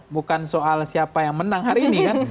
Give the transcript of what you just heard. bukan soal siapa yang menang hari ini kan